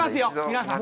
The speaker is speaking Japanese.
皆さん。